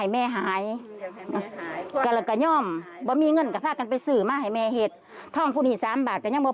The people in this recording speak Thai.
มันจะมา